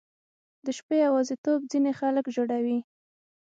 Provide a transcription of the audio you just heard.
• د شپې یواځیتوب ځینې خلک ژړوي.